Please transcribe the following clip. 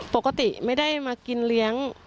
ปกติไม่ได้มากินเลี้ยง